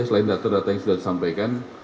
selain data data yang sudah disampaikan